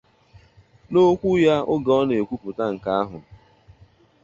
N'okwu ya oge ọ na-ekwupụta nke ahụ